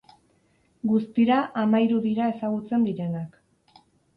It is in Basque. Guztira hamahiru dira ezagutzen direnak.